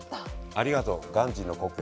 ありがとうガンジーの故郷。